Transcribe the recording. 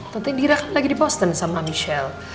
tentang indira kan lagi di boston sama michelle